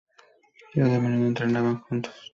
Ellos a menudo entrenaban juntos.